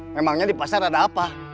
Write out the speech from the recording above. memangnya di pasar ada apa